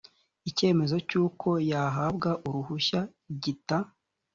icyemezo cy uko yahabwa uruhushya gita